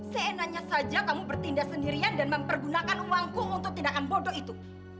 seenaknya saja kamu bertindak sendirian dan mempergunakan uangku untuk tindakan bodoh itu